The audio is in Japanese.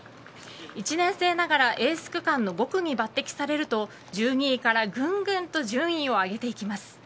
１年生ながらエース区間の５区に抜擢されると１２位からぐんぐんと順位を上げていきます。